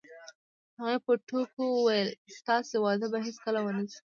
هغې په ټوکو وویل: ستاسې واده به هیڅکله ونه شي.